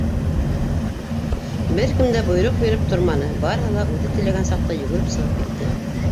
Бер кем дә бойороҡ биреп торманы —барыһы ла үҙе теләгән саҡта йүгереп сығып китте.